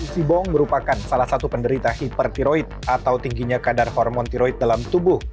si bong merupakan salah satu penderita hipertiroid atau tingginya kadar hormon tiroid dalam tubuh